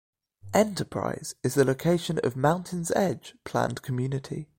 Enterprise is the location of the Mountain's Edge planned community.